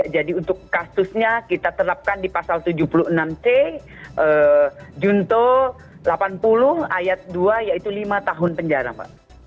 untuk kasusnya kita terapkan di pasal tujuh puluh enam c junto delapan puluh ayat dua yaitu lima tahun penjara mbak